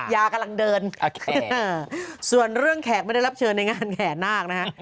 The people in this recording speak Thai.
ยากำลังเดินส่วนเรื่องแขกไม่ได้รับเชิญในงานแห่นาคนะฮะ